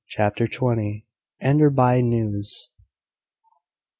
CHAPTER TWENTY. ENDERBY NEWS.